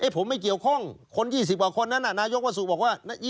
ผมมันไม่เกี่ยวข้องที่ครึ่ง